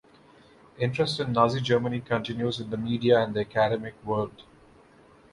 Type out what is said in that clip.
Interest in Nazi Germany continues in the media and the academic world.